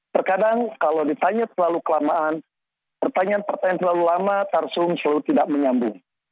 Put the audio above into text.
terkadang kalau ditanya terlalu kelamaan pertanyaan pertanyaan terlalu lama tarsum selalu tidak menyambung